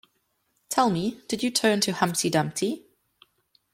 Tell me, did you turn to Humpty Dumpty?